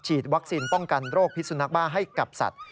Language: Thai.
วัคซีนป้องกันโรคพิสุนักบ้าให้กับสัตว์